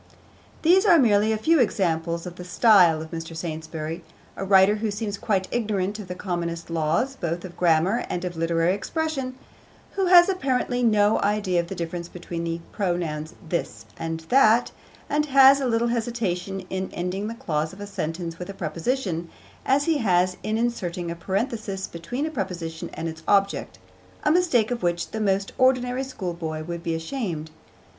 These are merely a few examples of the style of Mr. Saintsbury, a writer who seems quite ignorant of the commonest laws both of grammar and of literary expression, who has apparently no idea of the difference between the pronouns 'this' and 'that,' and has as little hesitation in ending the clause of a sentence with a preposition, as he has in inserting a parenthesis between a preposition and its object, a mistake of which the most ordinary schoolboy would be ashamed.